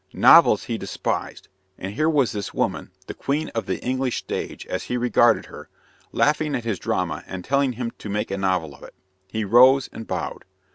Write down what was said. Novels he despised; and here was this woman, the queen of the English stage, as he regarded her, laughing at his drama and telling him to make a novel of it. He rose and bowed.